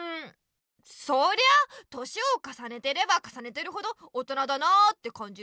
そりゃあ年をかさねてればかさねてるほど大人だなってかんじるよ。